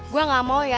gue nggak mau ya